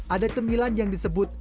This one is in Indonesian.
ada cement yang disebut